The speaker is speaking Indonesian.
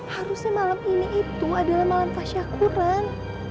harusnya malam ini itu adalah malam fasyakuran